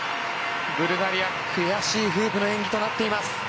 ブルガリア、悔しいフープの演技となっています。